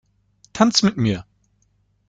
Tanz mit mir!